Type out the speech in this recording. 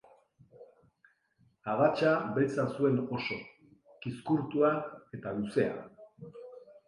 Adatsa beltza zuen oso, kizkurtua eta luzea.